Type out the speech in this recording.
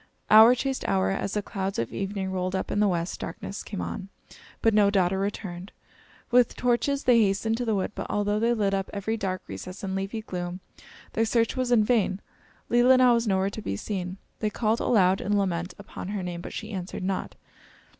Hour chased hour, as the clouds of evening rolled up in the west; darkness came on, but no daughter returned. With torches they hastened to the wood, but although they lit up every dark recess and leafy gloom, their search was in vain. Leelinau was nowhere to be seen. They called aloud, in lament, upon her name, but she answered not.